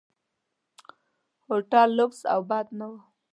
هوټل لکس او بد نه و.